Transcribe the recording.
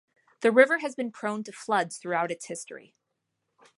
The river has been prone to floods throughout its history.